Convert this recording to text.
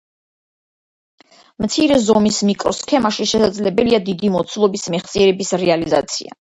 მცირე ზომის მიკროსქემაში შესაძლებელია დიდი მოცულობის მეხსიერების რეალიზაცია.